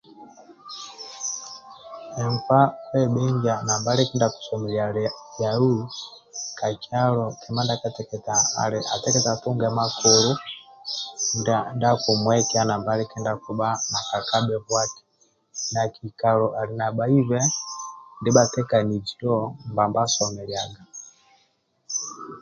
Nkpa kwbhingia ambali kindia akisomilia lia yau ka kyalo kima ndia kateketa ali atekete atunge makulu ndia akumwekia nambali kindia akibha aka kabhibuaki nakikalo ali bhaibe ndia bhatekanizio mbamba somiliaga